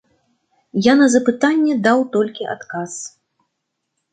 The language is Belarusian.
Я на запытанне даў толькі адказ.